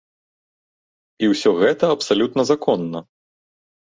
І ўсё гэта абсалютна законна.